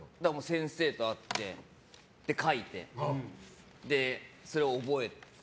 先生と会って書いてそれを覚えて。